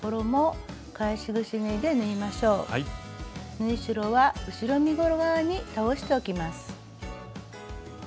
縫い代は後ろ身ごろ側に倒しておきます。